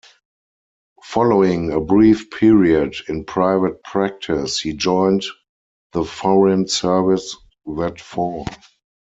Following a brief period in private practice, he joined the Foreign Service that fall.